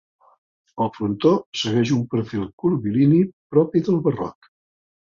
El frontó segueix un perfil curvilini propi del barroc.